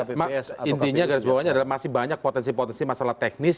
jadi mak intinya garis bawahnya masih banyak potensi potensi masalah teknis